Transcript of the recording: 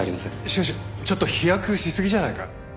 しかしちょっと飛躍しすぎじゃないか？